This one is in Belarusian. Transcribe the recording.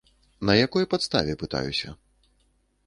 На якой падставе, пытаюся.